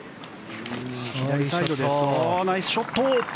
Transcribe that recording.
ナイスショット。